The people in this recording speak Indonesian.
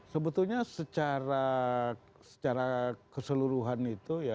sebetulnya secara keseluruhan itu